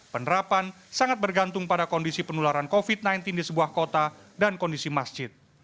penerapan sangat bergantung pada kondisi penularan covid sembilan belas di sebuah kota dan kondisi masjid